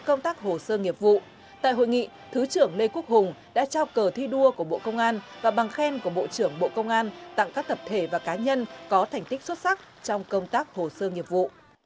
tại hội nghị thứ trưởng lê quốc hùng đã trao cờ thi đua của bộ công an và bằng khen của bộ trưởng bộ công an tặng các tập thể và cá nhân có thành tích xuất sắc trong công tác hồ sơ nghiệp vụ